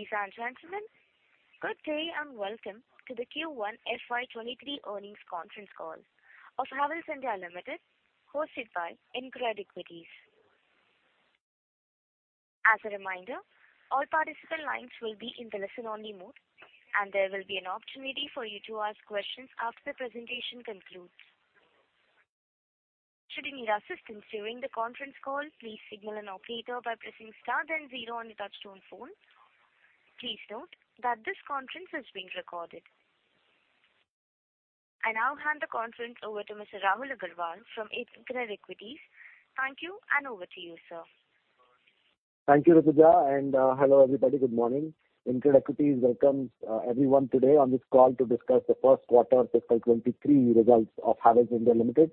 Ladies and gentlemen, good day and welcome to the Q1 FY23 earnings conference call of Havells India Limited, hosted by InCred Equities. As a reminder, all participant lines will be in the listen-only mode, and there will be an opportunity for you to ask questions after the presentation concludes. Should you need assistance during the conference call, please signal an operator by pressing star then zero on your touchtone phone. Please note that this conference is being recorded. I now hand the conference over to Mr. Rahul Agarwal from InCred Equities. Thank you, and over to you, sir. Thank you, Rutuja, and hello, everybody. Good morning. InCred Equities welcomes everyone today on this call to discuss the first quarter fiscal 2023 results of Havells India Limited.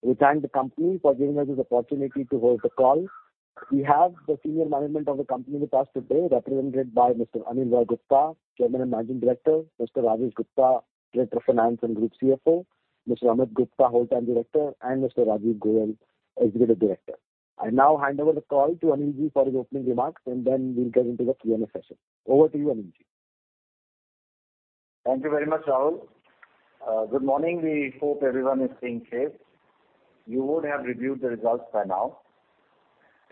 We thank the company for giving us this opportunity to host the call. We have the senior management of the company with us today, represented by Mr. Anil Rai Gupta, Chairman and Managing Director, Mr. Rajesh Gupta, Director of Finance and Group CFO, Mr. Ameet Gupta, Whole-Time Director, and Mr. Rajiv Goel, Executive Director. I now hand over the call to Anil ji for his opening remarks, and then we'll get into the Q&A session. Over to you, Anil ji. Thank you very much, Rahul. Good morning. We hope everyone is staying safe. You would have reviewed the results by now.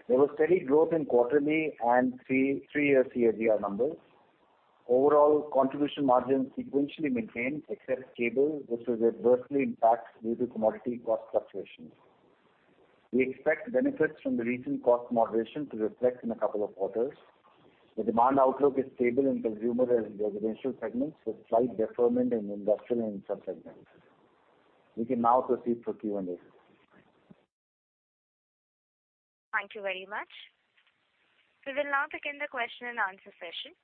There was steady growth in quarterly and three-year CAGR numbers. Overall contribution margins sequentially maintained except cable, which was adversely impacted due to commodity cost fluctuations. We expect benefits from the recent cost moderation to reflect in a couple of quarters. The demand outlook is stable in consumer and residential segments, with slight deferment in industrial and sub-segments. We can now proceed for Q&A. Thank you very much. We will now begin the question and answer session.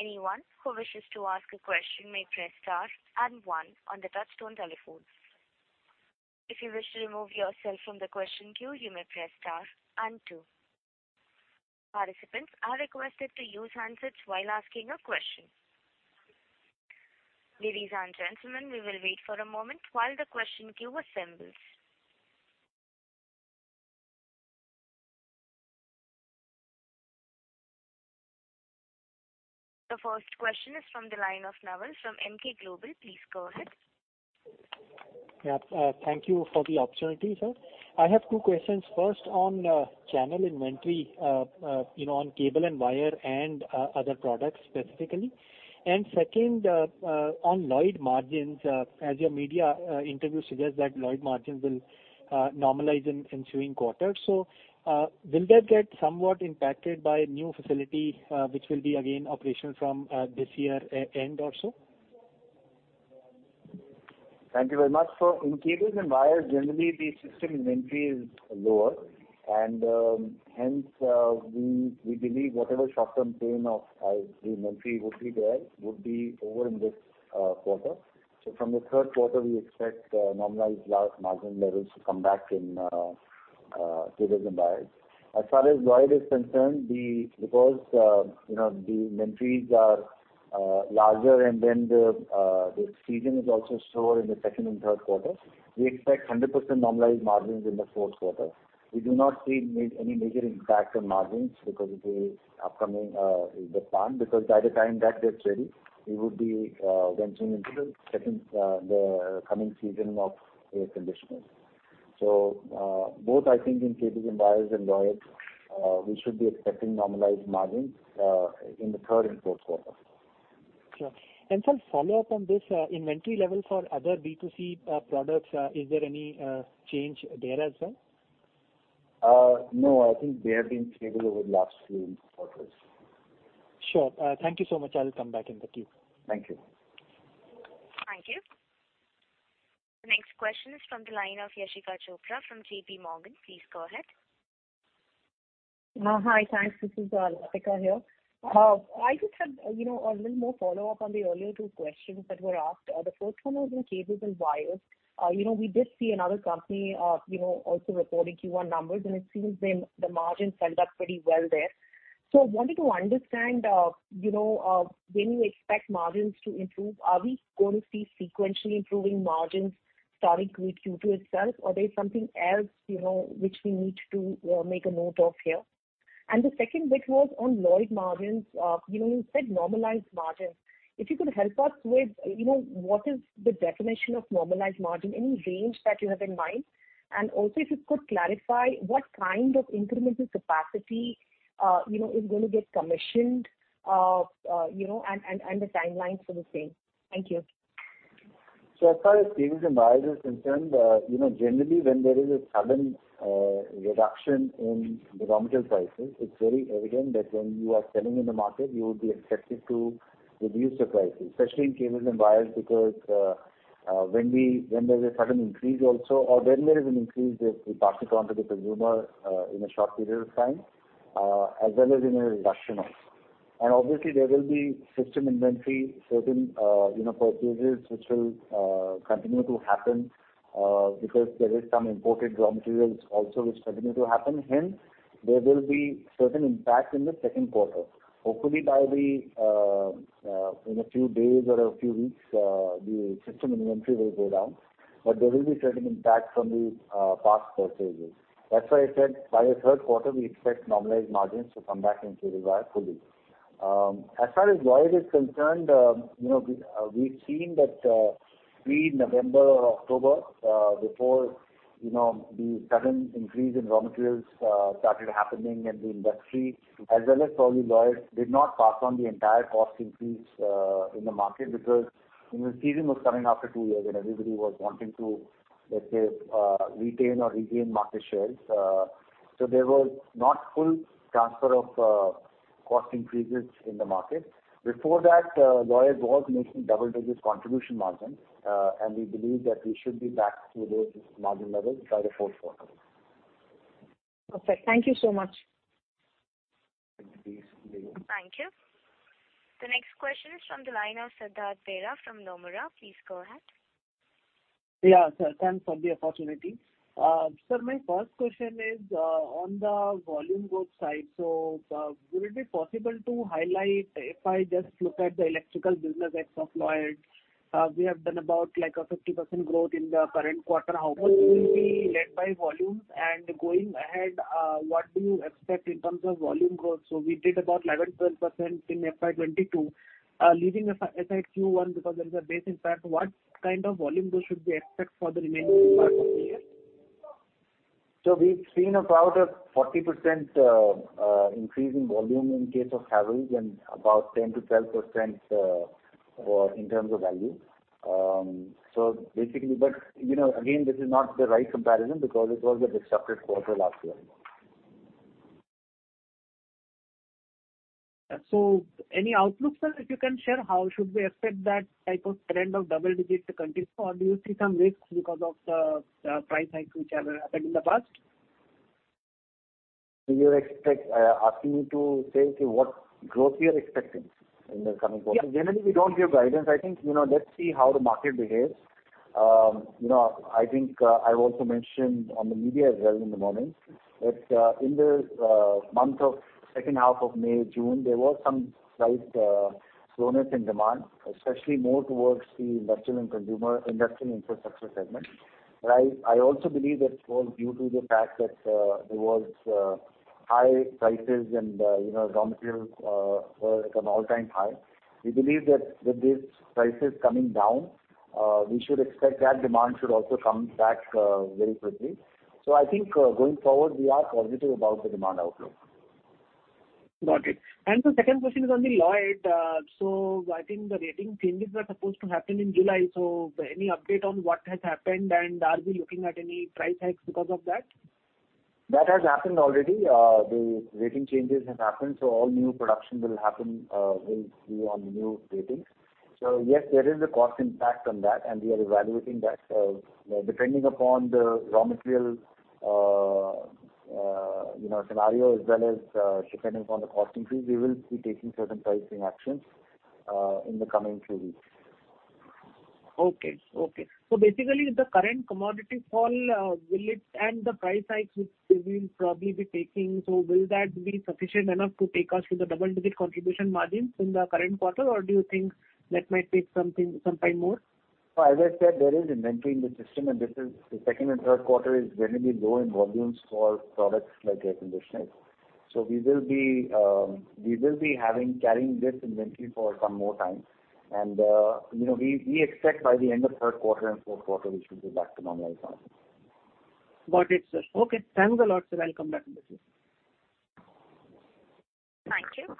Anyone who wishes to ask a question may press star and one on the touchtone telephones. If you wish to remove yourself from the question queue, you may press star and two. Participants are requested to use handsets while asking a question. Ladies and gentlemen, we will wait for a moment while the question queue assembles. The first question is from the line of Naval from Emkay Global. Please go ahead. Yeah, thank you for the opportunity, sir. I have two questions. First, on channel inventory, you know, on cable and wire and other products specifically. Second, on Lloyd margins, as your media interview suggests that Lloyd margins will normalize in ensuing quarters. Will that get somewhat impacted by new facility, which will be again operational from this year-end or so? Thank you very much. In cables and wires, generally the system inventory is lower, and hence we believe whatever short-term pain of the inventory would be over in this quarter. From the third quarter, we expect normalized margin levels to come back in cables and wires. As far as Lloyd is concerned, because you know the inventories are larger, and then the season is also slower in the second and third quarters, we expect 100% normalized margins in the fourth quarter. We do not see any major impact on margins because of the upcoming plan, because by the time that gets ready, we would be venturing into the second, the coming season of air conditioners. Both, I think, in cables and wires and Lloyd, we should be expecting normalized margins in the third and fourth quarters. Sure. Some follow-up on this, inventory level for other B2C products, is there any change there as well? No, I think they have been stable over the last few quarters. Sure. Thank you so much. I'll come back in the queue. Thank you. Thank you. The next question is from the line of Latika Chopra from JPMorgan. Please go ahead. Hi. Thanks. This is Latika here. I just had, you know, a little more follow-up on the earlier two questions that were asked. The first one was on cables and wires. You know, we did see another company, you know, also reporting Q1 numbers, and it seems the margins held up pretty well there. I wanted to understand, you know, when you expect margins to improve, are we going to see sequentially improving margins starting with Q2 itself, or there's something else, you know, which we need to make a note of here? The second bit was on Lloyd margins. You know, you said normalized margins. If you could help us with, you know, what is the definition of normalized margin? Any range that you have in mind? If you could clarify what kind of incremental capacity, you know, is going to get commissioned, you know, and the timelines for the same. Thank you. As far as cables and wires is concerned, you know, generally when there is a sudden reduction in raw material prices, it's very evident that when you are selling in the market, you would be expected to reduce the prices, especially in cables and wires because when there's a sudden increase also or when there is an increase, we pass it on to the consumer in a short period of time as well as in a reduction also. Obviously there will be system inventory, certain you know, purchases which will continue to happen because there is some imported raw materials also which continue to happen, hence there will be certain impact in the second quarter. Hopefully in a few days or a few weeks, the system inventory will go down, but there will be certain impact from the past purchases. That's why I said by the third quarter we expect normalized margins to come back in cable wire fully. As far as Lloyd is concerned, you know, we've seen that pre-November or October, before, you know, the sudden increase in raw materials started happening in the industry, as well as probably Lloyd did not pass on the entire cost increase in the market because, you know, season was coming after two years and everybody was wanting to, let's say, retain or regain market shares. There was not full transfer of cost increases in the market. Before that, Lloyd was making double-digit contribution margin, and we believe that we should be back to those margin levels by the fourth quarter. Perfect. Thank you so much. Thank you. Thank you. The next question is from the line of Siddhartha Bera from Nomura. Please go ahead. Yeah, sir. Thanks for the opportunity. Sir, my first question is on the volume growth side. Would it be possible to highlight if I just look at the electrical business X of Lloyd, we have done about like a 50% growth in the current quarter. How much will it be led by volumes? Going ahead, what do you expect in terms of volume growth? We did about 11%, 12% in FY 2022. Leaving aside Q1 because there is a base impact, what kind of volume growth should we expect for the remaining part of the year? We've seen about a 40% increase in volume in case of Havells and about 10%-12% or in terms of value. Basically, you know, again, this is not the right comparison because it was a disrupted quarter last year. Any outlook, sir, that you can share, how should we expect that type of trend of double digits to continue? Or do you see some risks because of the price hike which have happened in the past? Do you expect asking me to say what growth we are expecting in the coming quarter? Yeah. Generally, we don't give guidance. I think, you know, let's see how the market behaves. You know, I think, I've also mentioned on the media as well in the morning that, in the month of second half of May, June, there was some slight slowness in demand, especially more towards the industrial and consumer, industrial infrastructure segment, right? I also believe that was due to the fact that, there was high prices and, you know, raw materials were at an all-time high. We believe that with these prices coming down, we should expect that demand should also come back very quickly. I think, going forward, we are positive about the demand outlook. Got it. The second question is on the Lloyd. I think the rating changes were supposed to happen in July. Any update on what has happened, and are we looking at any price hikes because of that? That has happened already. The rating changes have happened, so all new production will be on new ratings. Yes, there is a cost impact on that, and we are evaluating that. Depending upon the raw material, you know, scenario as well as, depending upon the cost increase, we will be taking certain pricing actions in the coming few weeks. Basically the current commodity fall and the price hikes which we will probably be taking, so will that be sufficient enough to take us to the double-digit contribution margins in the current quarter? Or do you think that might take some time more? As I said, there is inventory in the system and this is the second and third quarter is generally low in volumes for products like air conditioners. We will be carrying this inventory for some more time. You know, we expect by the end of third quarter and fourth quarter we should be back to normalized margins. Got it, sir. Okay, thanks a lot, sir. I'll come back with you. Thank you.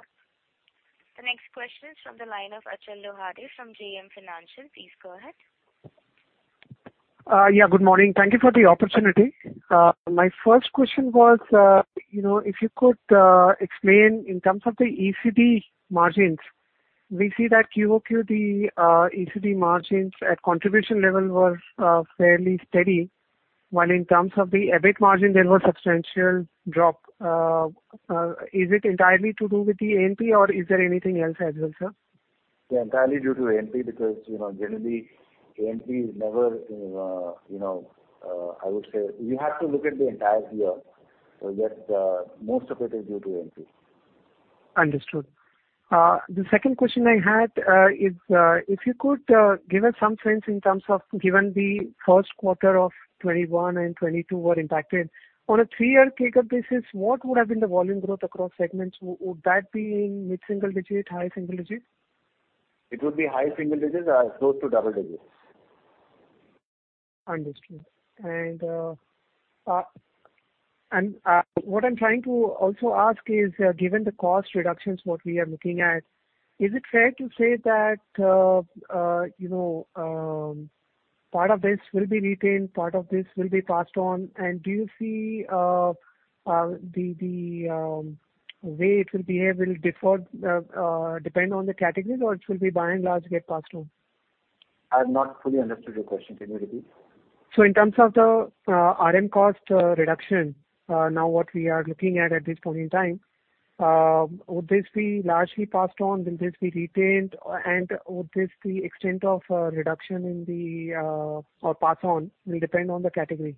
The next question is from the line of Achal Lohade from JM Financial. Please go ahead. Good morning. Thank you for the opportunity. My first question was, you know, if you could explain in terms of the ECD margins, we see that QoQ, ECD margins at contribution level was fairly steady. While in terms of the EBIT margin, there was substantial drop. Is it entirely to do with the A&P or is there anything else as well, sir? Yeah, entirely due to A&P because, you know, generally A&P is never, you know, I would say you have to look at the entire year, but, most of it is due to A&P. Understood. The second question I had is if you could give us some sense in terms of given the first quarter of 2021 and 2022 were impacted. On a three-year CAGR basis, what would have been the volume growth across segments? Would that be in mid-single-digit, high-single-digit? It would be high single digits, close to double digits. Understood. What I'm trying to also ask is, given the cost reductions, what we are looking at, is it fair to say that, you know, part of this will be retained, part of this will be passed on? Do you see the way it will behave will differ depending on the category, or it will by and large get passed on? I've not fully understood your question. Can you repeat? In terms of the RM cost reduction, what we are looking at at this point in time would this be largely passed on? Will this be retained? Would the extent of reduction or pass on will depend on the category?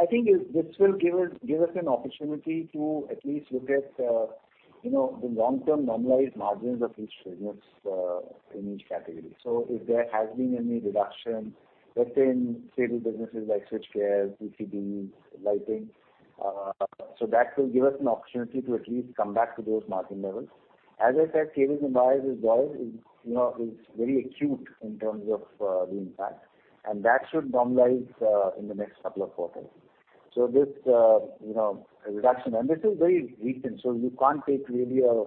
I think this will give us an opportunity to at least look at you know the long-term normalized margins of each segments in each category. If there has been any reduction within say the businesses like switchgear ECD lighting that will give us an opportunity to at least come back to those margin levels. As I said cables and wires is wild. It's you know very acute in terms of the impact and that should normalize in the next couple of quarters. This you know reduction. This is very recent so you can't take really a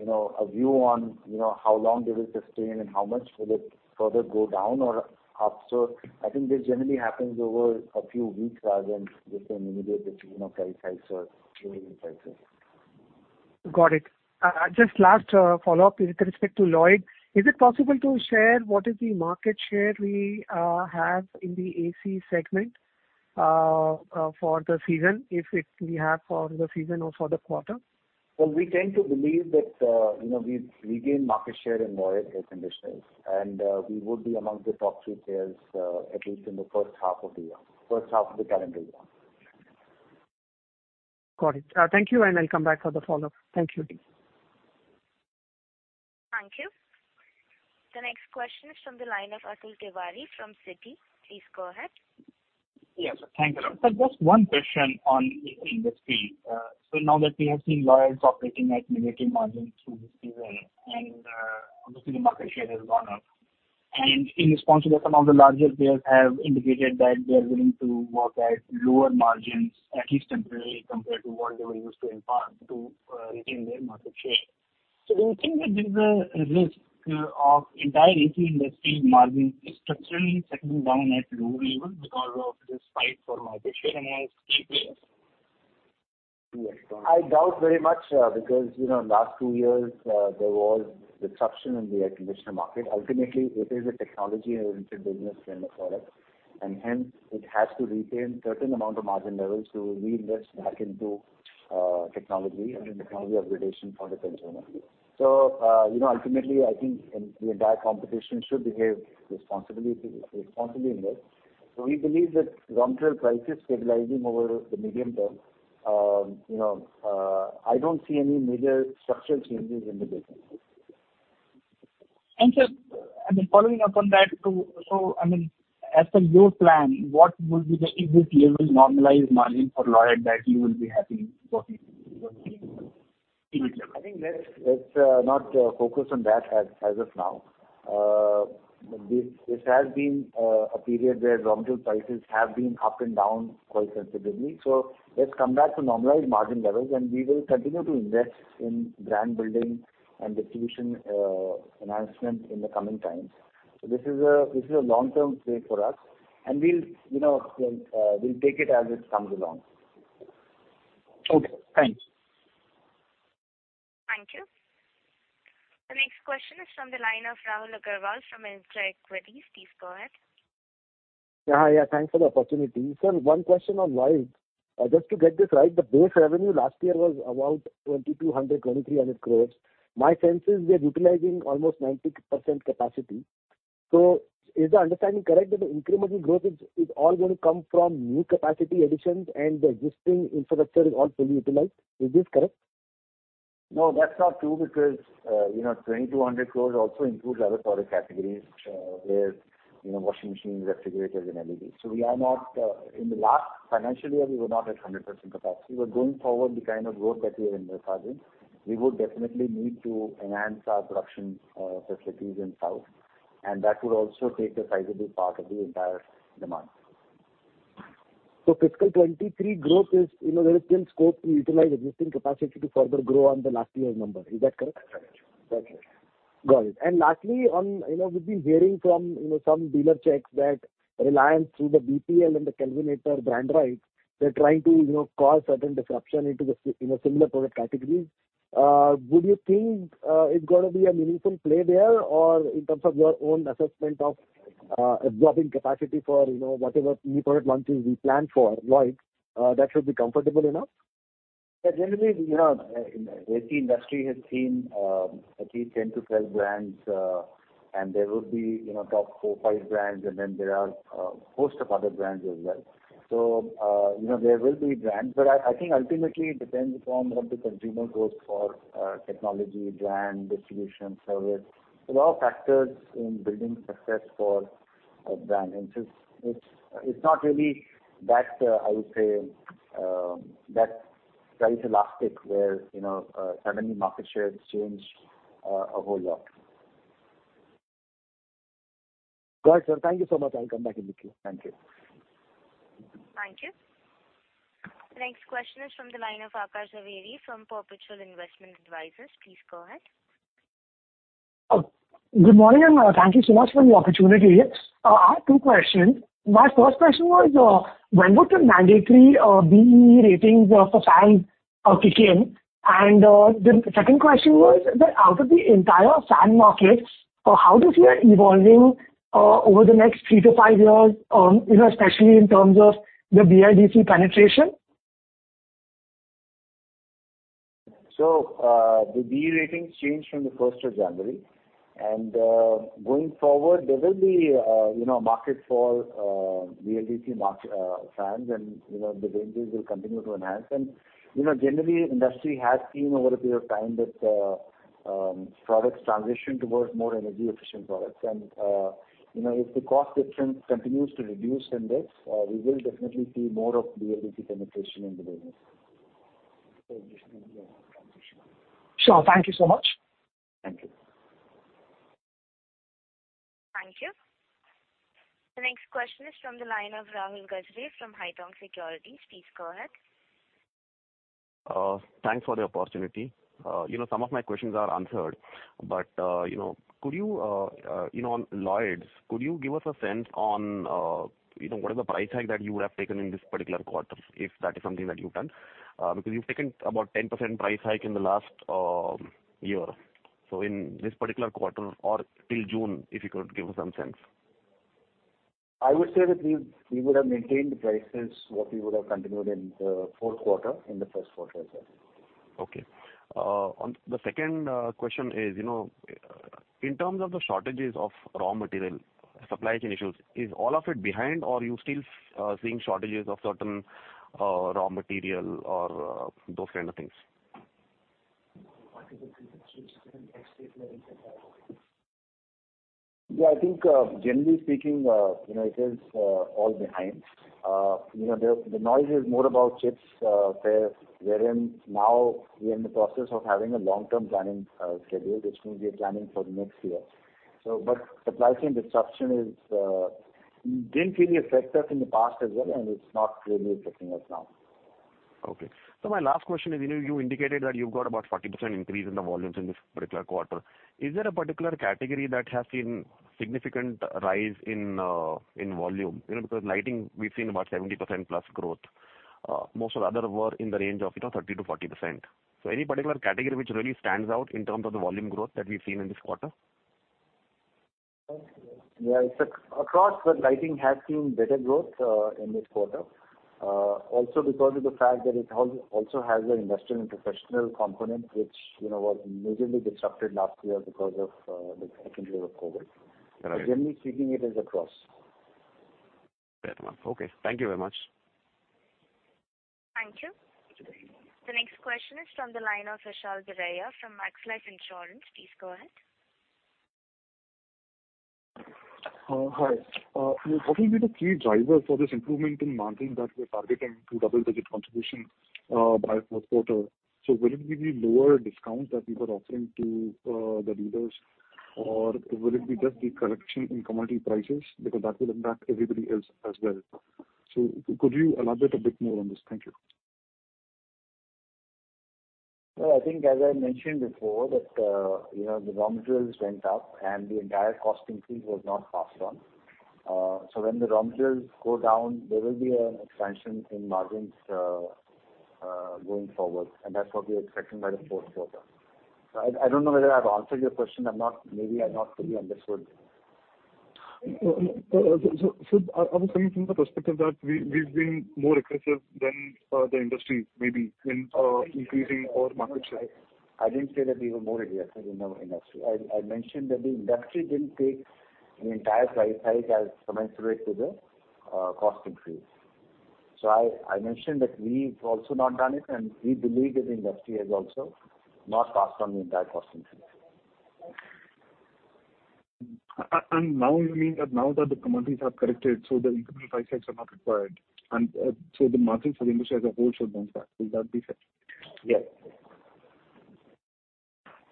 you know view on how long will it sustain and how much will it further go down or up. I think this generally happens over a few weeks rather than with an immediate decision of price hikes or volume prices. Got it. Just last follow-up with respect to Lloyd. Is it possible to share what is the market share we have in the AC segment for the season, if we have for the season or for the quarter? Well, we tend to believe that, you know, we've regained market share in Lloyd air conditioners, and we would be among the top three players, at least in the first half of the year, first half of the calendar year. Got it. Thank you, and I'll come back for the follow-up. Thank you. Thank you. The next question is from the line of Atul Tiwari from Citi. Please go ahead. Yes. Thank you. Just one question on industry. Now that we have seen Lloyd operating at negative margin through this season, and obviously the market share has gone up. In response to that, some of the larger players have indicated that they're willing to work at lower margins, at least temporarily, compared to what they were used to in past to retain their market share. Do you think that there's a risk of entire AC industry margin structurally settling down at low levels because of this fight for market share among stakeholders? I doubt very much, because, you know, last two years, there was disruption in the air conditioner market. Ultimately, it is a technology-oriented business and a product, and hence, it has to retain certain amount of margin levels to reinvest back into, technology and in technology upgradation for the consumer. You know, ultimately, I think the entire competition should behave responsibly in this. We believe that raw material prices stabilizing over the medium term. You know, I don't see any major structural changes in the business. Sir, I mean, following up on that, so I mean, as per your plan, what will be the exit level normalized margin for Lloyd that you will be happy with? I think let's not focus on that as of now. This has been a period where raw material prices have been up and down quite considerably. Let's come back to normalized margin levels, and we will continue to invest in brand building and distribution enhancement in the coming times. This is a long-term play for us, and we'll take it as it comes along. Okay, thanks. Thank you. The next question is from the line of Rahul Agarwal from InCred Equities. Please go ahead. Yeah. Yeah, thanks for the opportunity. Sir, one question on Lloyd. Just to get this right, the base revenue last year was about 2,200-2,300 crores. My sense is they're utilizing almost 90% capacity. Is the understanding correct that the incremental growth is all gonna come from new capacity additions and the existing infrastructure is all fully utilized? Is this correct? No, that's not true because, you know, 2,200 crores also includes other product categories, where, you know, washing machines, refrigerators and LEDs. In the last financial year, we were not at 100% capacity. Going forward, the kind of growth that we are envisaging, we would definitely need to enhance our production facilities in South, and that would also take a sizable part of the entire demand. Fiscal 2023 growth is, you know, there is still scope to utilize existing capacity to further grow on the last year's number. Is that correct? That's right. Got it. Lastly, on, you know, we've been hearing from, you know, some dealer checks that Reliance, through the BPL and the Kelvinator brand rights, they're trying to, you know, cause certain disruption into the similar product categories. Would you think it's gonna be a meaningful play there? Or in terms of your own assessment of absorbing capacity for, you know, whatever new product launches we plan for Lloyd, that should be comfortable enough? Yeah. Generally, you know, AC industry has seen at least 10-12 brands, and there will be, you know, top four, five brands, and then there are host of other brands as well. There will be brands, but I think ultimately it depends upon what the consumer goes for, technology, brand, distribution, service. There are factors in building success for a brand, and it's not really that I would say that price elastic where, you know, suddenly market shares change a whole lot. Got it, sir. Thank you so much. I'll come back in the queue. Thank you. Thank you. The next question is from the line of Aakash Javeri from Perpetual Investment Advisors. Please go ahead. Good morning, thank you so much for the opportunity. I have two questions. My first question was, when would the mandatory BE ratings of the fans kick in? The second question was that out of the entire fan market, how do you see it evolving over the next three to five years, you know, especially in terms of the BLDC penetration? The BE ratings change from the first of January. Going forward, there will be, you know, market for BLDC fans and, you know, the ranges will continue to enhance. You know, generally the industry has seen over a period of time that products transition towards more energy efficient products. You know, if the cost difference continues to reduce then that's we will definitely see more of BLDC penetration in the business. Sure. Thank you so much. Thank you. Thank you. The next question is from the line of Rahul Gajare from Haitong Securities. Please go ahead. Thanks for the opportunity. You know, some of my questions are answered, but you know, could you you know, on Lloyd, could you give us a sense on you know, what is the price hike that you have taken in this particular quarter, if that is something that you've done? Because you've taken about 10% price hike in the last year. In this particular quarter or till June, if you could give some sense. I would say that we would have maintained the prices, what we would have continued in the fourth quarter, in the first quarter as well. Okay. On the second question is, you know, in terms of the shortages of raw material, supply chain issues, is all of it behind or you still seeing shortages of certain raw material or those kind of things? Yeah, I think, generally speaking, you know, it is all behind. You know, the noise is more about chips, wherein now we are in the process of having a long-term planning schedule, which means we are planning for the next year. Supply chain disruption didn't really affect us in the past as well, and it's not really affecting us now. Okay. My last question is, you know, you indicated that you've got about 40% increase in the volumes in this particular quarter. Is there a particular category that has seen significant rise in in volume? You know, because lighting we've seen about 70%+ growth. Most of the other were in the range of, you know, 30%-40%. Any particular category which really stands out in terms of the volume growth that we've seen in this quarter? Yeah. It's across, but lighting has seen better growth in this quarter also because of the fact that it also has an industrial and professional component which, you know, was majorly disrupted last year because of the second wave of COVID. Got it. Generally speaking, it is across. Fair enough. Okay. Thank you very much. Thank you. The next question is from the line of Vishal Biraia from Max Life Insurance. Please go ahead. Hi. What will be the key driver for this improvement in margin that we're targeting to double-digit contribution by fourth quarter? Will it be the lower discount that we were offering to the dealers? Will it be just the correction in commodity prices? Because that will impact everybody else as well. Could you elaborate a bit more on this? Thank you. Well, I think as I mentioned before, that, you know, the raw materials went up and the entire cost increase was not passed on. When the raw materials go down, there will be an expansion in margins, going forward, and that's what we're expecting by the fourth quarter. I don't know whether I've answered your question. Maybe I've not fully understood. I was coming from the perspective that we've been more aggressive than the industry, maybe in increasing our market share. I didn't say that we were more aggressive in our industry. I mentioned that the industry didn't take the entire price hike as commensurate to the cost increase. I mentioned that we've also not done it, and we believe that the industry has also not passed on the entire cost increase. Now you mean that now that the commodities have corrected, so the incremental price hikes are not required, and so the margins for the industry as a whole should bounce back. Will that be fair? Yes.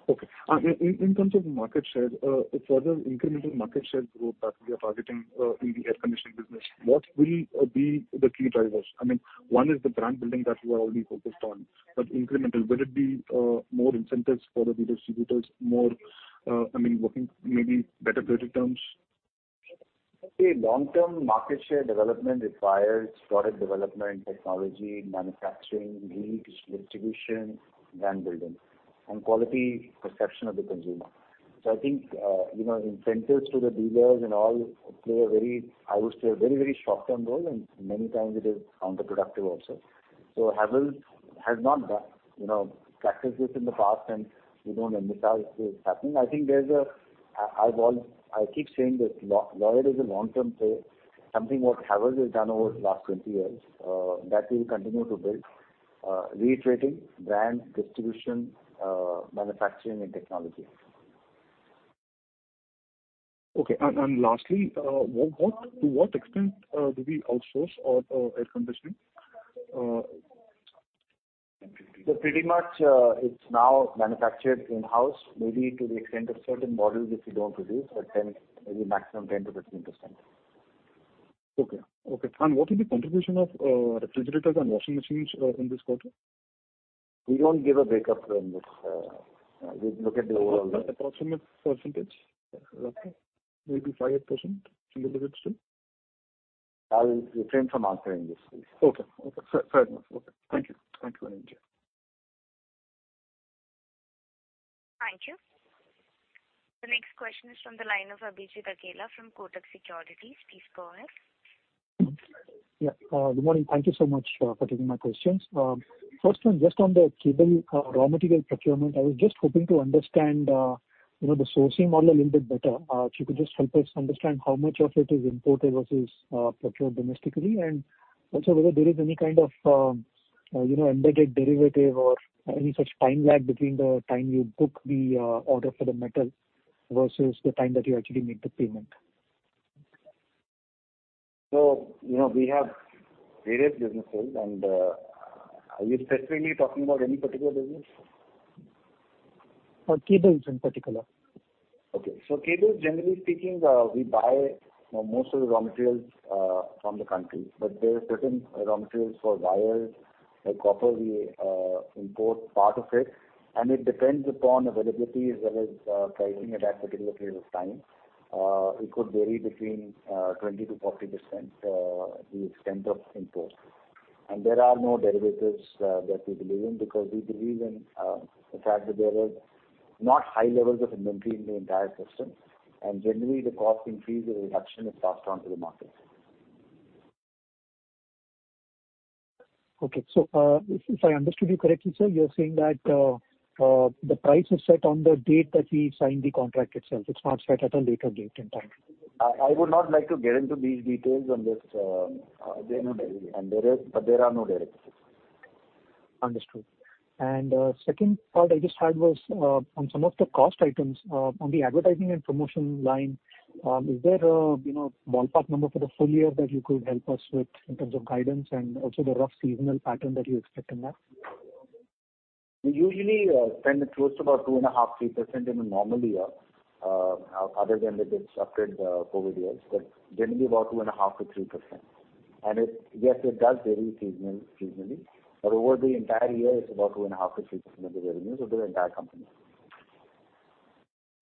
Okay. In terms of market share, for the incremental market share growth that we are targeting, in the air conditioning business, what will be the key drivers? I mean, one is the brand building that you are already focused on. Incremental, will it be more incentives for the distributors, more, I mean, working maybe better credit terms? Okay. Long-term market share development requires product development, technology, manufacturing, reach, distribution, brand building, and quality perception of the consumer. I think, you know, incentives to the dealers and all play a very, I would say a very, very short-term role, and many times it is counterproductive also. Havells has not, you know, practiced this in the past, and we don't envisage this happening. I think, I keep saying this, Lloyd is a long-term play, something what Havells has done over the last 20 years, that we continue to build, reiterating brand, distribution, manufacturing and technology. Lastly, to what extent do we outsource our air conditioning? Pretty much, it's now manufactured in-house, maybe to the extent of certain models which we don't produce, but 10%, maybe maximum 10%-15%. Okay. What is the contribution of refrigerators and washing machines in this quarter? We don't give a break-up in this. We look at the overall. Approximate percentage. Okay. Maybe 5%, single digits too? I will refrain from answering this, please. Okay. Fair enough. Okay. Thank you, Anil ji. Thank you. The next question is from the line of Abhijit Akella from Kotak Securities. Please go ahead. Yeah. Good morning. Thank you so much for taking my questions. First one, just on the cable raw material procurement, I was just hoping to understand you know, the sourcing model a little bit better. If you could just help us understand how much of it is imported versus procured domestically. Also whether there is any kind of you know, embedded derivative or any such time lag between the time you book the order for the metal versus the time that you actually make the payment. You know, we have various businesses and, are you specifically talking about any particular business? For cables in particular. Okay. Cables, generally speaking, we buy, you know, most of the raw materials from the country. There are certain raw materials for wires, like copper, we import part of it, and it depends upon availability as well as pricing at that particular period of time. It could vary between 20%-40%, the extent of imports. There are no derivatives that we believe in because we believe in the fact that there is not high levels of inventory in the entire system, and generally the cost increase or reduction is passed on to the market. Okay. If I understood you correctly, sir, you're saying that the price is set on the date that we sign the contract itself. It's not set at a later date in time. I would not like to get into these details on this. There are no derivatives. There are no derivatives. Understood. Second part I just had was, on some of the cost items, on the advertising and promotion line, is there a, you know, ballpark number for the full year that you could help us with in terms of guidance and also the rough seasonal pattern that you expect in that? We usually spend close to about 2.5%-3% in a normal year, other than the disrupted COVID years, but generally about 2.5%-3%. It does vary seasonally, but over the entire year it's about 2.5%-3% of the revenues of the entire company.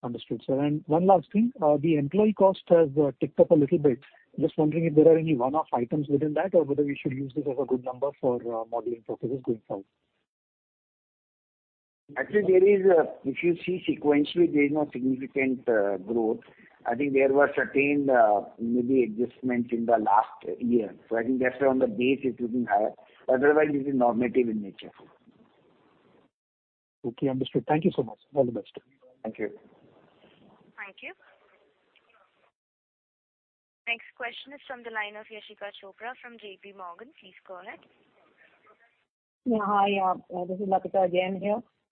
Understood, sir. One last thing, the employee cost has ticked up a little bit. Just wondering if there are any one-off items within that or whether we should use this as a good number for modeling purposes going forward. Actually, if you see sequentially, there is no significant growth. I think there were certain, maybe adjustments in the last year. I think that's why on the base it is even higher. Otherwise it is normative in nature. Okay, understood. Thank you so much. All the best. Thank you. Thank you. Next question is from the line of Latika Chopra from JPMorgan. Please go ahead. Yeah, hi. This is Latika again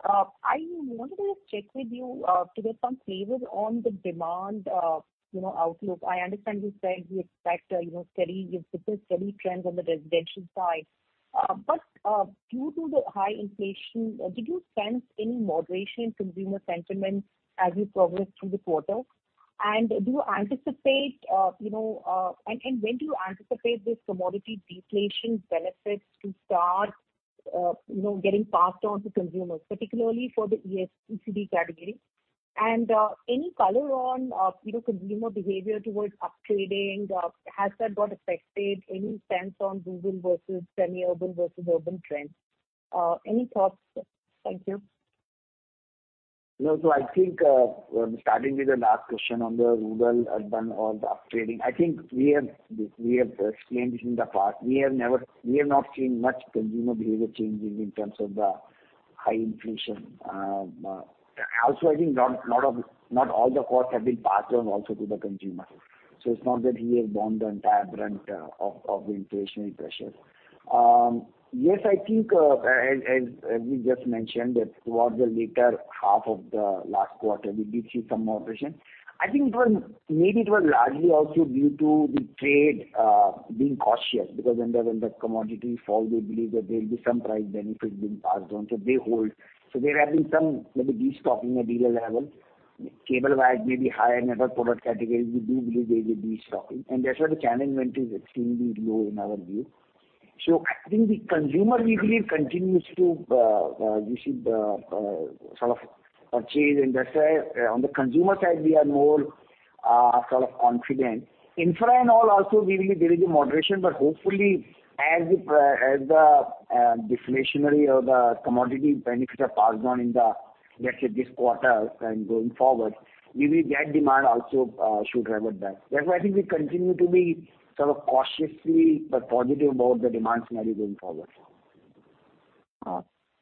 here. I wanted to just check with you, to get some flavor on the demand, you know, outlook. I understand you said you expect, you know, steady, you've built steady trends on the residential side. But, due to the high inflation, did you sense any moderation in consumer sentiment as you progressed through the quarter? And when do you anticipate this commodity deflation benefits to start, you know, getting passed on to consumers, particularly for the ECD category? And, any color on, you know, consumer behavior towards upgrading? Has that got affected? Any sense on rural versus semi-urban versus urban trends? Any thoughts, sir? Thank you. No. I think starting with the last question on the rural, urban or the upgrading, I think we have explained this in the past. We have not seen much consumer behavior changing in terms of the high inflation. Also I think a lot of, not all the costs have been passed on also to the consumers. It's not that he has borne the entire brunt of the inflationary pressures. Yes, I think as we just mentioned, that towards the latter half of the last quarter, we did see some moderation. I think it was, maybe it was largely also due to the trade being cautious because when the commodities fall, they believe that there will be some price benefits being passed on, so they hold. There have been some maybe destocking at dealer level. Cable wires may be higher in other product categories. We do believe there is a destocking and that's why the channel inventory is extremely low in our view. I think the consumer usually continues to you see the sort of purchase. That's why on the consumer side we are more sort of confident. Infra and all also we believe there is a moderation, but hopefully as the deflationary or the commodity benefits are passed on in the, let's say this quarter and going forward, we believe that demand also should revert back. That's why I think we continue to be sort of cautiously but positive about the demand scenario going forward.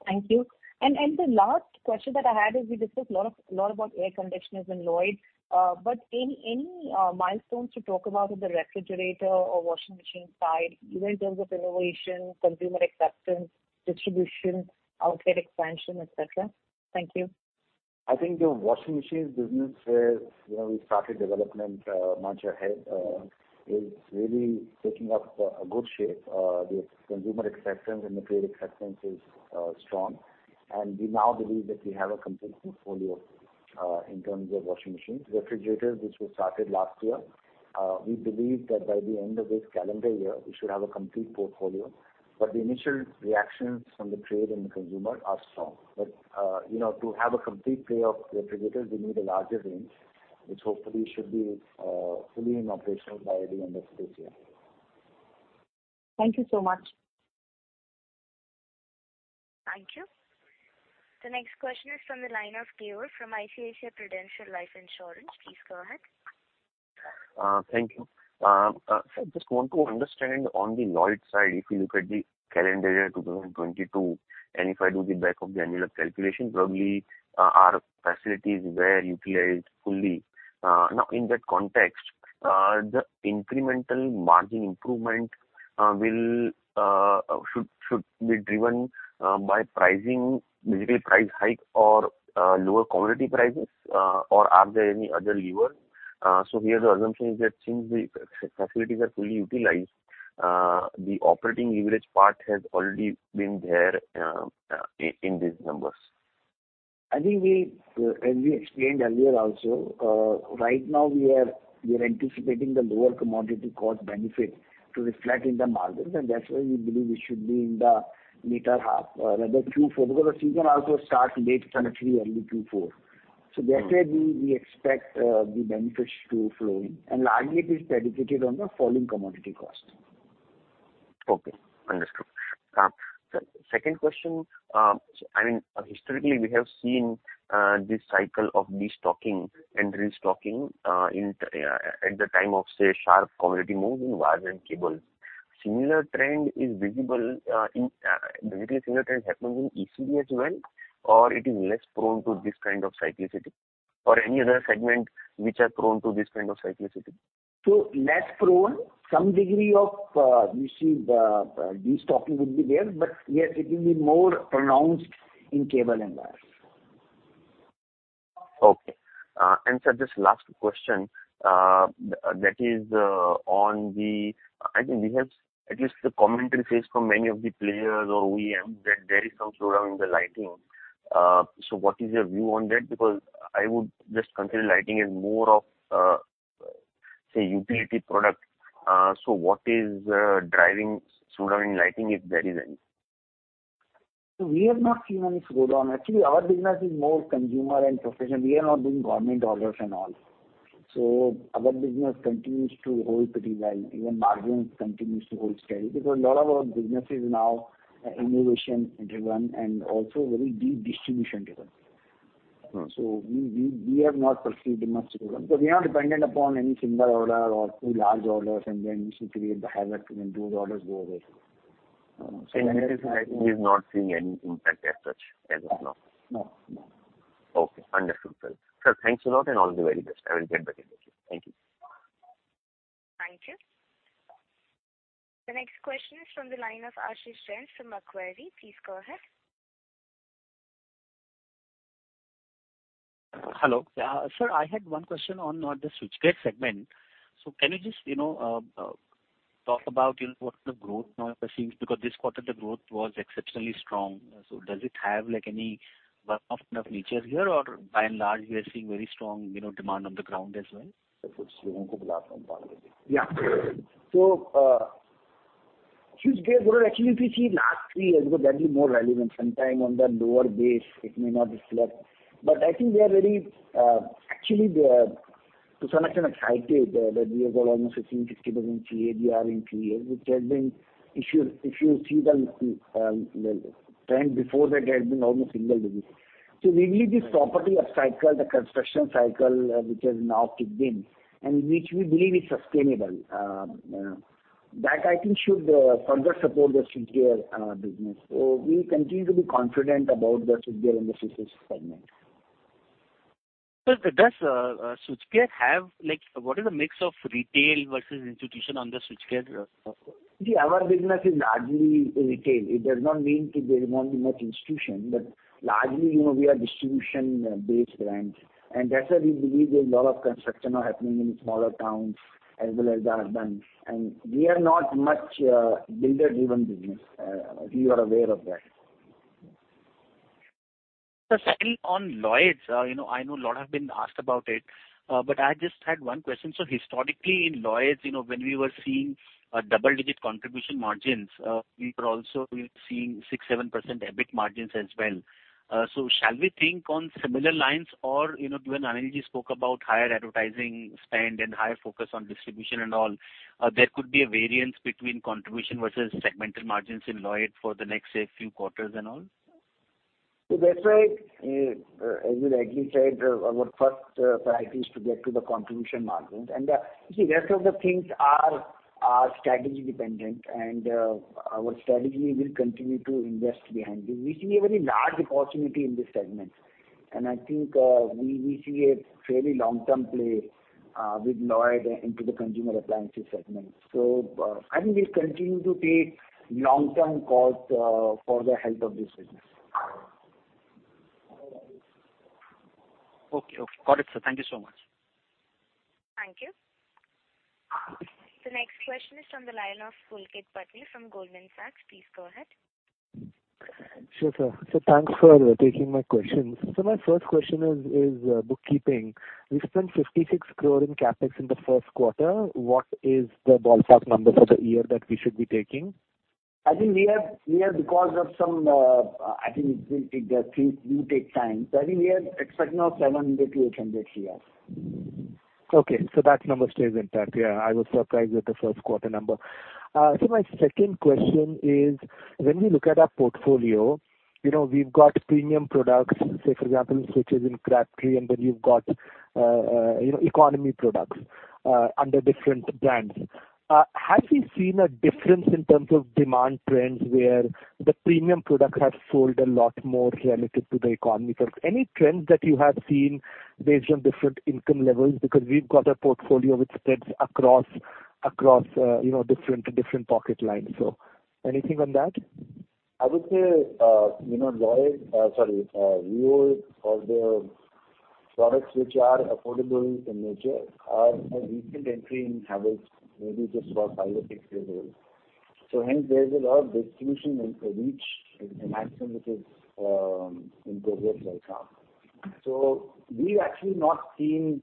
Thank you. The last question that I had is we discussed a lot about air conditioners and Lloyd. Any milestones to talk about on the refrigerator or washing machine side, even in terms of innovation, consumer acceptance, distribution, outlet expansion, et cetera? Thank you. I think the washing machines business where, you know, we started development much ahead is really taking up a good shape. The consumer acceptance and the trade acceptance is strong. We now believe that we have a complete portfolio in terms of washing machines. Refrigerators, which we started last year, we believe that by the end of this calendar year, we should have a complete portfolio, but the initial reactions from the trade and the consumer are strong. You know, to have a complete play of refrigerators, we need a larger range, which hopefully should be fully operational by the end of this year. Thank you so much. Thank you. The next question is from the line of Keyur from ICICI Prudential Life Insurance. Please go ahead. Thank you. Sir, just want to understand on the Lloyd side, if you look at the calendar year 2022, and if I do the back-of-the-envelope calculation, probably our facilities were utilized fully. Now in that context, the incremental margin improvement should be driven by pricing, basically price hike or lower commodity prices, or are there any other levers? Here the assumption is that since the facilities are fully utilized, the operating leverage part has already been there, in these numbers. I think we, as we explained earlier also, right now we are anticipating the lower commodity cost benefit to reflect in the margins, and that's why we believe we should be in the latter half or rather Q4, because the season also starts late Q3, early Q4. Mm-hmm. That's where we expect the benefits to flow in, and largely it is dependent on the falling commodity cost. Okay, understood. Second question. I mean, historically we have seen this cycle of destocking and restocking in at the time of, say, sharp commodity move in wires and cables. Visibly similar trend happens in ECD as well, or it is less prone to this kind of cyclicality or any other segment which are prone to this kind of cyclicality? Less prone. Some degree of destocking would be there, but yes, it will be more pronounced in cable and wires. Okay. Sir, just last question. That is on the. I think we have at least the commentary phase from many of the players or OEMs that there is some slowdown in the lighting. What is your view on that? Because I would just consider lighting as more of, say, utility product. What is driving slowdown in lighting, if there is any? We have not seen any slowdown. Actually, our business is more consumer and professional. We are not doing government orders and all. Our business continues to hold pretty well. Even margins continues to hold steady. Because a lot of our business is now innovation-driven and also very deep distribution-driven. Oh. We have not perceived much slowdown. We are not dependent upon any single order or two large orders, and then you see create the havoc and then those orders go away. In lighting is not seeing any impact as such as of now? No. No. Okay. Understood, sir. Sir, thanks a lot and all the very best. I will get back to you. Thank you. Thank you. The next question is from the line of Ashish Jain from Macquarie. Please go ahead. Hello. Sir, I had one question on the switchgear segment. Can you just, you know, talk about what the growth now seems, because this quarter the growth was exceptionally strong. Does it have like any one-off nature here or by and large, we are seeing very strong, you know, demand on the ground as well? Yeah. Switchgear growth actually if you see last three years, because that is more relevant sometimes on the lower base, it may not reflect. I think we are very, actually, to some extent excited that we have got almost 15%-16% CAGR in three years, which has been, if you see the trend before that has been almost single digits. We believe this property cycle, the construction cycle, which has now kicked in and which we believe is sustainable, that I think should further support the switchgear business. We continue to be confident about the switchgear and the [inaudible] segment. Sir, does switchgear have like what is the mix of retail versus institutional on the switchgear? See our business is largely retail. It does not mean that there is not enough institutional, but largely, you know, we are distribution-based brand. That's why we believe there's a lot of construction happening in smaller towns as well as the urban. We are not much builder-driven business. You are aware of that. Sir, still on Lloyd. You know, I know a lot have been asked about it, but I just had one question. Historically in Lloyd, you know, when we were seeing double-digit contribution margins, we were also seeing 6%-7% EBIT margins as well. Shall we think on similar lines or, you know, when Anil ji spoke about higher advertising spend and higher focus on distribution and all, there could be a variance between contribution versus segmental margins in Lloyd for the next, say, few quarters and all? That's why, as we rightly said, our first priority is to get to the contribution margins. You see rest of the things are strategy dependent. Our strategy will continue to invest behind this. We see a very large opportunity in this segment, and I think, we see a fairly long-term play with Lloyd into the consumer appliances segment. I think we continue to take long-term calls for the health of this business. Okay. Okay. Got it, sir. Thank you so much. Thank you. The next question is from the line of Pulkit Patni from Goldman Sachs. Please go ahead. Sure, sir. Thanks for taking my questions. My first question is on CapEx. We spent 56 crore in CapEx in the first quarter. What is the ballpark number for the year that we should be taking? I think we are because of some. Things do take time. I think we are expecting of 700-800 crores here. Okay. That number stays intact. Yeah, I was surprised with the first quarter number. My second question is, when we look at our portfolio, you know, we've got premium products, say, for example, switches in Crabtree, and then you've got, you know, economy products under different brands. Have we seen a difference in terms of demand trends where the premium products have sold a lot more relative to the economy products? Any trends that you have seen based on different income levels? Because we've got a portfolio which spreads across, you know, different price lines. Anything on that? I would say, you know, REO or the products which are affordable in nature are the recent entry in Havells, maybe just for five or six years old. Hence there's a lot of distribution and reach in maximum retail, in progress right now. We've actually not seen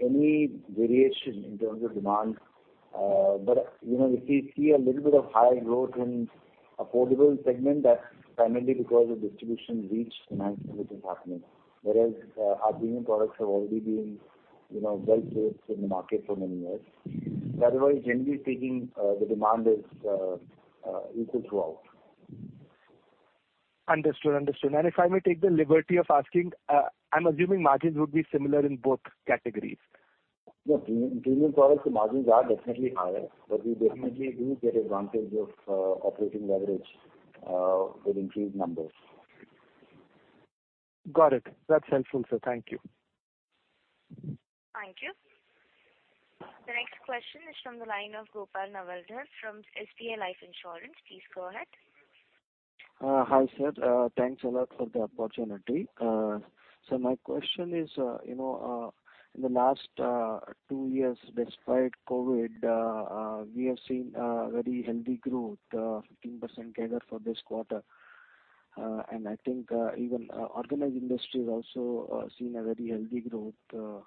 any variation in terms of demand. But, you know, if we see a little bit of high growth in affordable segment, that's primarily because of distribution reach enhancement which is happening. Whereas, our premium products have already been, you know, well placed in the market for many years. But otherwise, generally speaking, the demand is equal throughout. Understood. If I may take the liberty of asking, I'm assuming margins would be similar in both categories. No, premium products, the margins are definitely higher, but we definitely do get advantage of operating leverage with increased numbers. Got it. That's helpful, sir. Thank you. Thank you. The next question is from the line of Gopal Navaldhar from SBI Life Insurance. Please go ahead. Hi, sir. Thanks a lot for the opportunity. So my question is, you know, in the last two years despite COVID, we have seen a very healthy growth, 15% CAGR for this quarter. I think even organized industry has also seen a very healthy growth.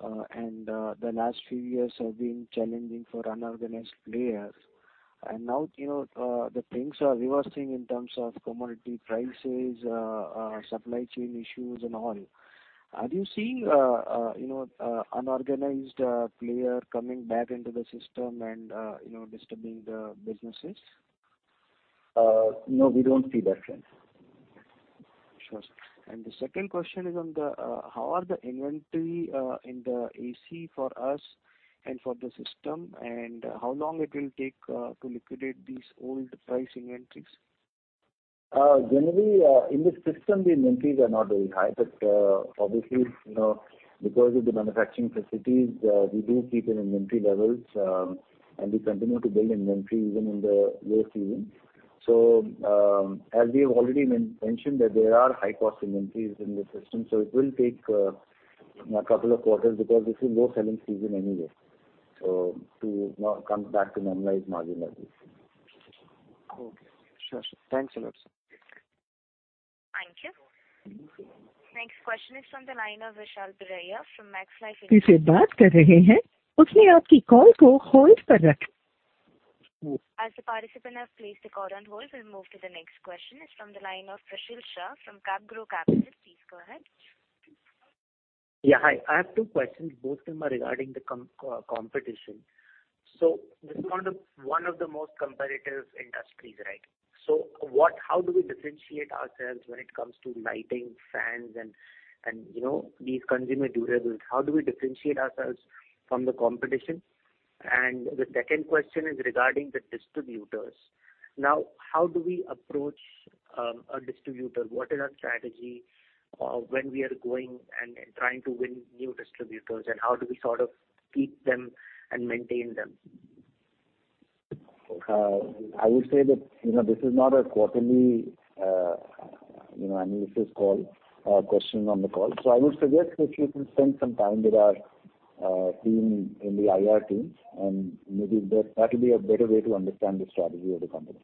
The last few years have been challenging for unorganized players. Now, you know, the things are reversing in terms of commodity prices, supply chain issues and all. Are you seeing, you know, unorganized player coming back into the system and, you know, disturbing the businesses? No, we don't see that trend. Sure. The second question is on how are the inventory in the AC for us and for the system and how long it will take to liquidate these old price inventories? Generally, in the system, the inventories are not very high, but obviously, you know, because of the manufacturing facilities, we do keep an inventory levels, and we continue to build inventory even in the low season. As we have already mentioned that there are high cost inventories in the system, so it will take a couple of quarters because this is low selling season anyway, so to now come back to normalize margin levels. Okay. Sure, sure. Thanks a lot, sir. Thank you. Next question is from the line of Vishal Biraia from Max Life Insurance. As the participant has placed the call on hold, we'll move to the next question. It's from the line of Prasheel Shah from CapGrow Capital. Please go ahead. Yeah. Hi. I have two questions, both of them are regarding the competition. This is one of the most competitive industries, right? What... How do we differentiate ourselves when it comes to lighting, fans and, you know, these consumer durables? How do we differentiate ourselves from the competition? The second question is regarding the distributors. How do we approach a distributor? What is our strategy when we are going and trying to win new distributors, and how do we sort of keep them and maintain them? I would say that, you know, this is not a quarterly, you know, analysis call or question on the call. I would suggest that you can spend some time with our team in the IR team, and maybe that'll be a better way to understand the strategy of the company.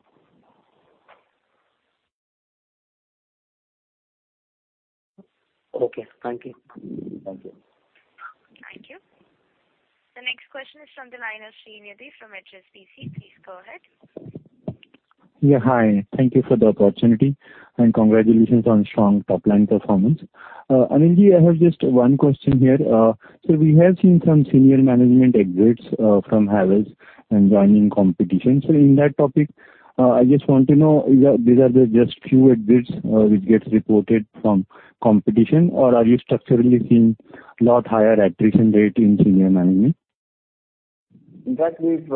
Okay. Thank you. Thank you. Thank you. The next question is from the line of Sreenidhi from HSBC. Please go ahead. Yeah. Hi. Thank you for the opportunity, and congratulations on strong top-line performance. Anil ji, I have just one question here. We have seen some senior management exits from Havells and joining competition. In that topic, I just want to know, is that these are the just few exits which gets reported from competition, or are you structurally seeing a lot higher attrition rate in senior management? In fact, we've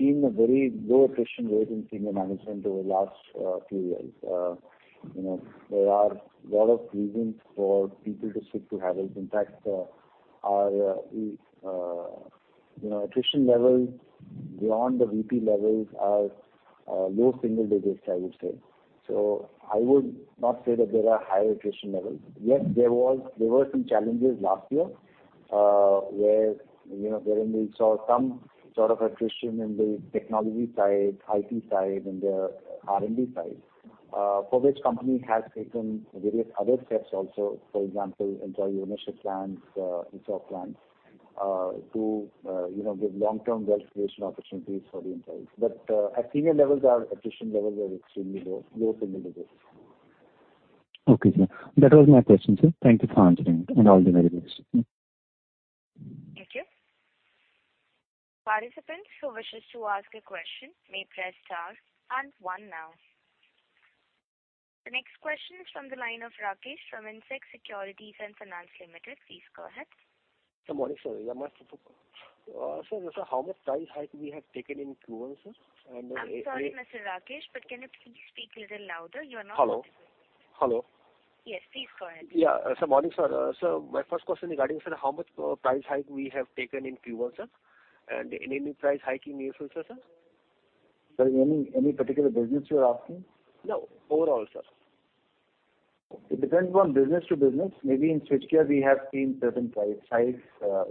seen a very low attrition rate in senior management over the last few years. There are a lot of reasons for people to switch to Havells. In fact, our attrition levels beyond the VP levels are low single digits, I would say. I would not say that there are higher attrition levels. Yes, there were some challenges last year, wherein we saw some sort of attrition in the technology side, IT side and the R&D side, for which company has taken various other steps also. For example, employee ownership plans, ESOP plans, to give long-term wealth creation opportunities for the employees. At senior levels, our attrition levels are extremely low, low single digits. Okay, sir. That was my question, sir. Thank you for answering it and all the very best. Thank you. Participants who wishes to ask a question may press star and one now. The next question is from the line of Rakesh from Indsec Securities & Finance Limited. Please go ahead. Good morning, sir. Sir, how much price hike we have taken in Q1, sir? I'm sorry, Mr. Rakesh, but can you please speak little louder? Hello. Hello. Yes, please go ahead. Morning, sir. My first question regarding, sir, how much price hike we have taken in Q1, sir? Any price hike in near future, sir? Sir, any particular business you're asking? No, overall, sir. It depends on business to business. Maybe in switchgear we have seen certain price rise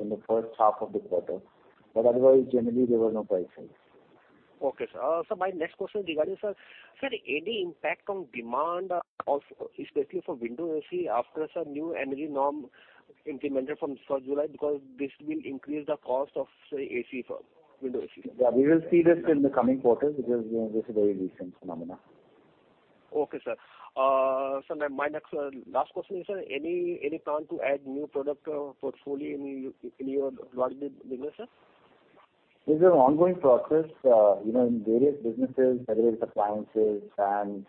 in the first half of the quarter. Otherwise, generally, there were no price hikes. Okay, sir. My next question regarding any impact on demand, especially for window AC after new energy norm implemented from July because this will increase the cost of, say, AC for window AC. Yeah, we will see this in the coming quarters because, you know, this is a very recent phenomenon. Okay, sir. Sir, my next last question is, sir, any plan to add new product portfolio in your large goods business? This is an ongoing process, you know, in various businesses, whether it's appliances and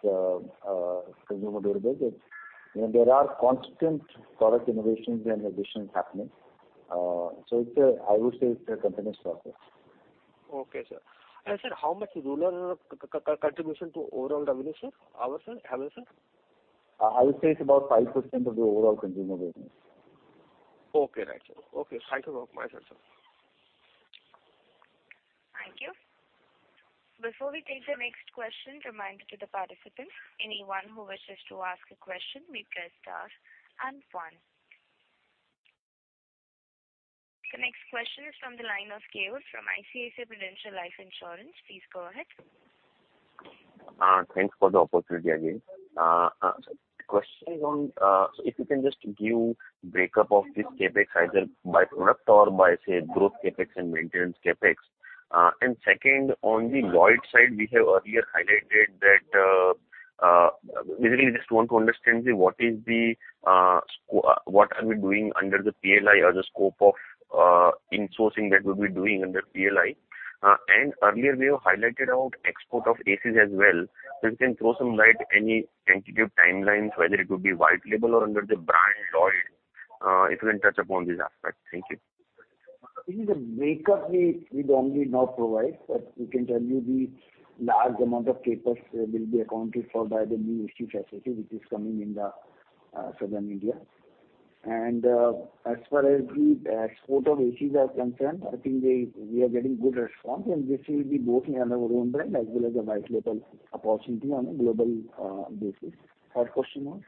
consumer durables. You know, there are constant product innovations and additions happening. I would say it's a continuous process. Okay, sir. Sir, how much rural contribution to overall revenue, sir? Havells, sir? I would say it's about 5% of the overall consumer business. Okay, right, sir. Okay, thank you for my answer, sir. Thank you. Before we take the next question, reminder to the participants, anyone who wishes to ask a question may press star and one. The next question is from the line of Keyur from ICICI Prudential Life Insurance. Please go ahead. Thanks for the opportunity again. Sir, question is on, so if you can just give breakup of this CapEx either by product or by, say, growth CapEx and maintenance CapEx. And second, on the Lloyd side, we have earlier highlighted that, really just want to understand what we are doing under the PLI or the scope of insourcing that we'll be doing under PLI. And earlier we have highlighted about export of ACs as well. So if you can throw some light, any tentative timelines, whether it could be white label or under the brand Lloyd, if you can touch upon this aspect. Thank you. I think the breakup we don't really not provide, but we can tell you the large amount of CapEx will be accounted for by the new AC facility which is coming in the southern India. As far as the export of ACs are concerned, I think we are getting good response, and this will be both under our own brand as well as a white label opportunity on a global basis. Third question was?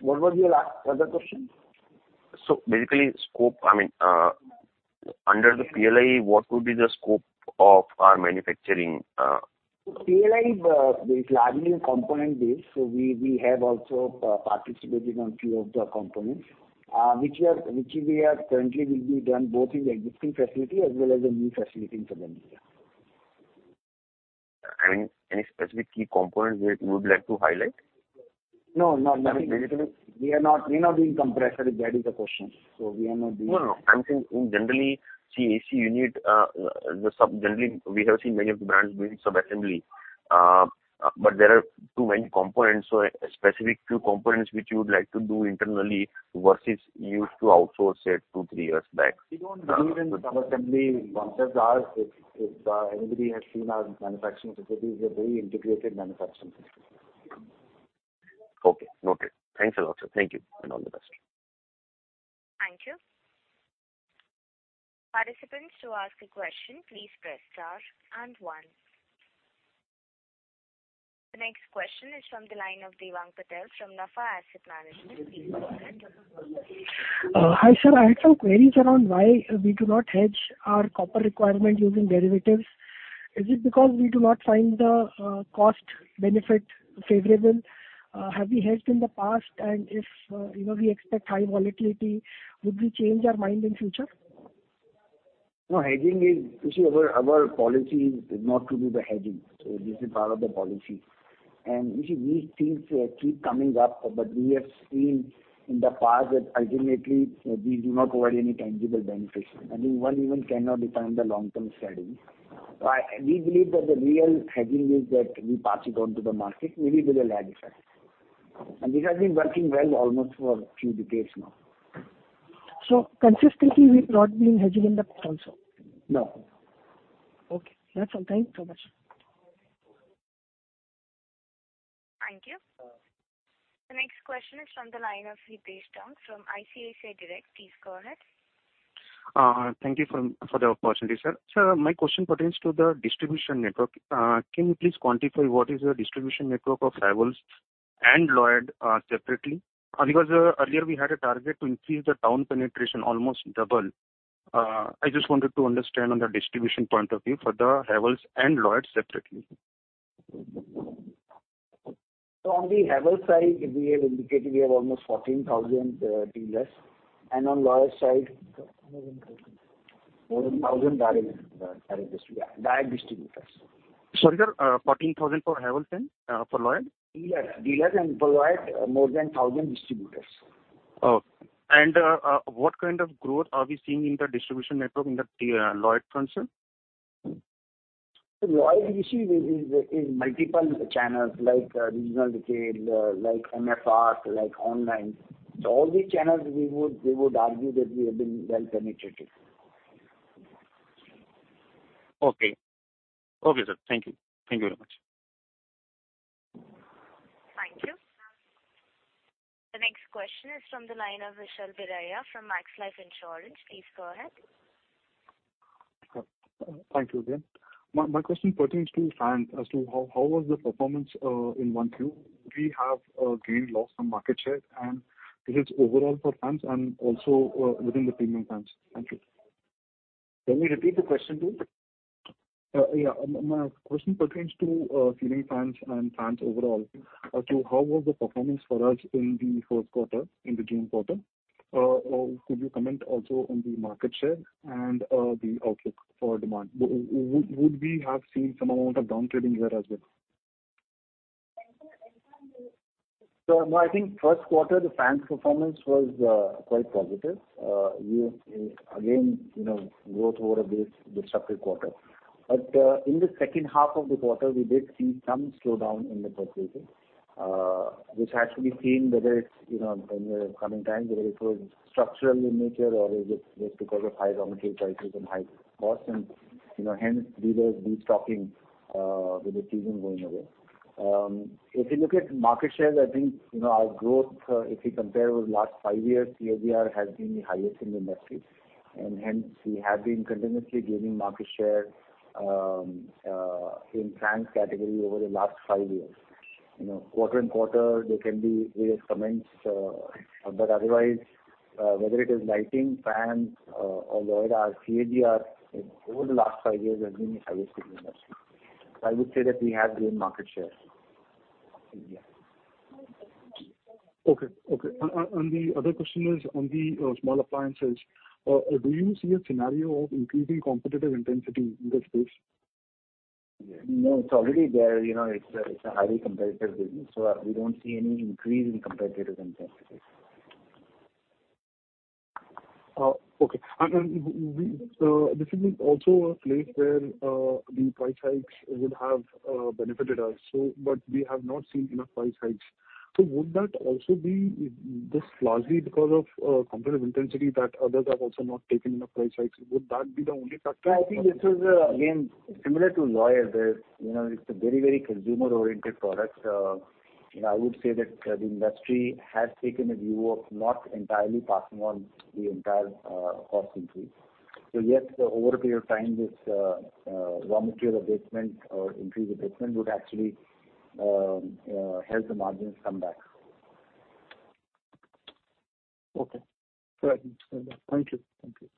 What was your other question? Basically scope, I mean, under the PLI, what would be the scope of our manufacturing? PLI is largely a component base, so we have also participated on few of the components, which we are currently will be done both in the existing facility as well as a new facility in southern India. I mean, any specific key components that you would like to highlight? No, not nothing. I mean, basically. We are not doing compressor, if that is the question. No, no. I'm saying in general, see AC unit, generally we have seen many of the brands doing sub-assembly. There are too many components, so specific few components which you would like to do internally versus you used to outsource it two, three years back. We don't believe in sub-assembly concept ours. If anybody has seen our manufacturing facilities, we are very integrated manufacturing system. Okay. Noted. Thanks a lot, sir. Thank you and all the best. Thank you. Participants who ask a question, please press star and one. The next question is from the line of Devang Patel from NAFA Asset Managers. Please go ahead. Hi sir, I had some queries around why we do not hedge our copper requirement using derivatives. Is it because we do not find the cost-benefit favorable? Have we hedged in the past? If you know, we expect high volatility, would we change our mind in future? No, hedging is you see our policy is not to do the hedging. This is part of the policy. You see these things keep coming up, but we have seen in the past that ultimately these do not provide any tangible benefit. I mean, one even cannot define the long-term strategy. We believe that the real hedging is that we pass it on to the market, maybe with a lag effect. This has been working well almost for a few decades now. Consistently we've not been hedging in the past also? No. Okay. That's all. Thanks so much. Thank you. The next question is from the line of Hitesh Taunk from ICICI Direct. Please go ahead. Thank you for the opportunity, sir. Sir, my question pertains to the distribution network. Can you please quantify what is the distribution network of Havells and Lloyd separately? Because earlier we had a target to increase the town penetration almost double. I just wanted to understand on the distribution point of view for the Havells and Lloyd separately. On the Havells side, we have indicated we have almost 14,000 dealers. On Lloyd side, more than 1,000 direct distributors. Sorry, sir. 14,000 for Havells and for Lloyd? Dealers and for Lloyd, more than 1,000 distributors. What kind of growth are we seeing in the distribution network in the Lloyd front, sir? Lloyd we see is multiple channels like regional retail like MFR like online. All these channels we would argue that we have been well penetrated. Okay, sir. Thank you. Thank you very much. Next question is from the line of Vishal Biraia from Max Life Insurance. Please go ahead. Thank you again. My question pertains to fans as to how was the performance in 1Q? Do we have gained, lost some market share? Is it overall for fans and also within the premium fans? Thank you. Can you repeat the question please? Yeah. My question pertains to ceiling fans and fans overall. As to how was the performance for us in the first quarter, in the June quarter? Could you comment also on the market share and the outlook for demand? Would we have seen some amount of downtrading here as well? No, I think first quarter the fans performance was quite positive. We again, you know, growth over a very disrupted quarter. In the second half of the quarter, we did see some slowdown in the purchases, which has to be seen whether it's, you know, in the coming times, whether it was structural in nature or is it just because of high raw material prices and high costs and, you know, hence dealers destocking, with the season going away. If you look at market shares, I think, you know, our growth, if you compare over the last five years, CAGR has been the highest in the industry. Hence we have been continuously gaining market share in fans category over the last five years. You know, quarter and quarter there can be various comments, but otherwise, whether it is lighting, fans, or Lloyd, our CAGR over the last five years has been the highest in the industry. I would say that we have gained market share. Yes. The other question is on the small appliances. Do you see a scenario of increasing competitive intensity in this space? No, it's already there. You know, it's a highly competitive business, so we don't see any increase in competitive intensity. Okay. This is also a place where the price hikes would have benefited us. We have not seen enough price hikes. Would that also be just largely because of competitive intensity that others have also not taken enough price hikes? Would that be the only factor? I think this is again similar to Lloyd where, you know, it's a very, very consumer-oriented product. You know, I would say that the industry has taken a view of not entirely passing on the entire cost increase. Yes, over a period of time, this raw material abatement or increase abatement would actually help the margins come back. Okay. All right. Thank you. Thank you.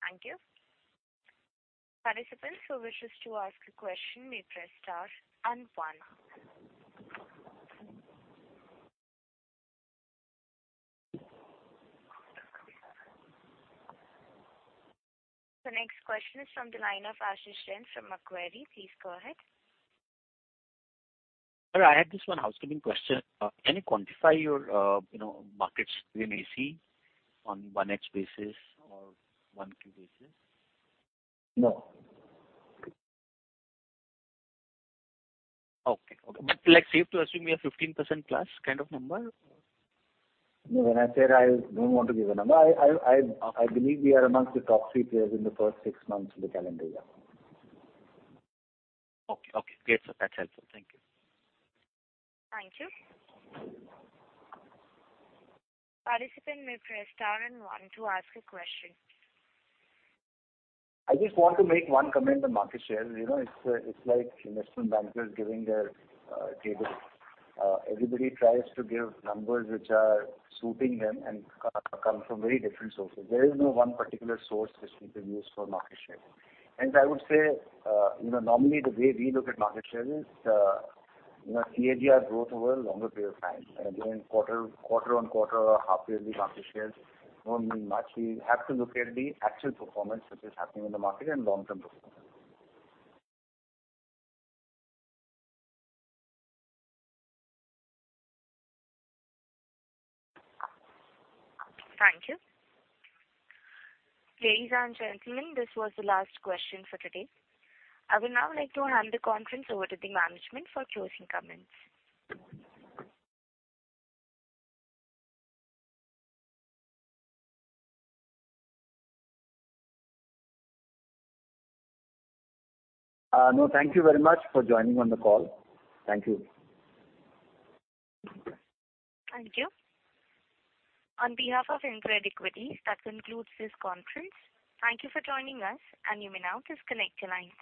Thank you. Participants who wishes to ask a question may press star and one. The next question is from the line of Ashish Jain from Macquarie. Please go ahead. Sir, I had this one housekeeping question. Can you quantify your, you know, market share in AC on 1H basis or 1Q basis? No. Okay. Like, safe to assume we are 15%+ kind of number? No, when I said I don't want to give a number. I believe we are among the top three players in the first six months of the calendar year. Okay. Great, sir. That's helpful. Thank you. Thank you. Participant may press star and one to ask a question. I just want to make one comment on market share. You know, it's like investment bankers giving their table. Everybody tries to give numbers which are suiting them and come from very different sources. There is no one particular source which we can use for market share. I would say, you know, normally the way we look at market share is, you know, CAGR growth over a longer period of time. Again, quarter-on-quarter or half-yearly market shares don't mean much. We have to look at the actual performance which is happening in the market and long-term performance. Thank you. Ladies and gentlemen, this was the last question for today. I would now like to hand the conference over to the management for closing comments. No, thank you very much for joining on the call. Thank you. Thank you. On behalf of InCred Equities, that concludes this conference. Thank you for joining us, and you may now disconnect your lines.